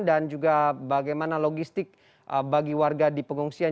dan juga bagaimana logistik bagi warga di pengungsian